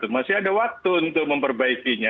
masih ada waktu untuk memperbaikinya